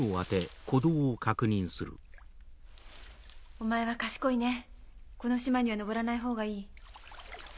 お前は賢いねこの島には登らないほうがいい。